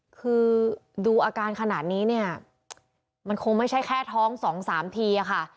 คือดูอาการขนาดนี้เนี่ยมันคงไม่ใช่แค่ท้อง๒๓ทีอะค่ะ